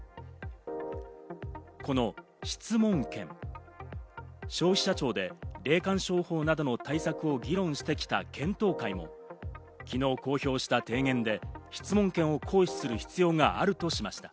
この質問権、消費者庁で霊感商法などの対策を議論してきた検討会も昨日公表した提言で質問権を行使する必要があるとしました。